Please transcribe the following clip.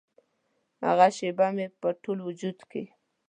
هغه شیبه مې په ټول وجود کې